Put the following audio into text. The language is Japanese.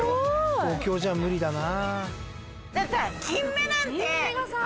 だってさ。